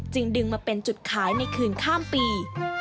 ดึงมาเป็นจุดขายในคืนข้ามปี